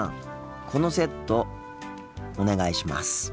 このセットお願いします。